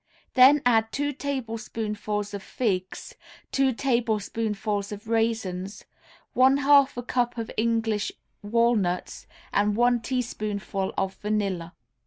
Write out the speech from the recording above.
Then add two tablespoonfuls of figs, two tablespoonfuls of raisins, one half a cup of English walnuts and one teaspoonful of vanilla.